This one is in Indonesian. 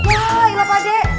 ya ilah pak dek